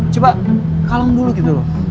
coba kalung dulu gitu loh